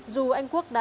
dù anh quốc đã